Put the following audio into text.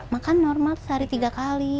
makan normal sehari tiga kali